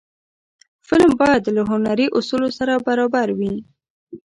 فلم باید له هنري اصولو سره برابر وي